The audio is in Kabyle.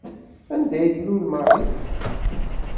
Anda ay tlul Marie?